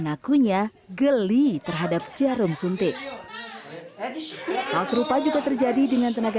ngakunya geli terhadap jarum suntik hal serupa juga terjadi dengan tenaga